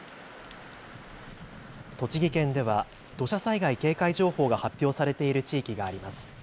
栃木県では土砂災害警戒情報が発表されている地域があります。